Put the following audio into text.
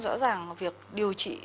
rõ ràng việc điều trị